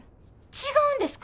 違うんですか？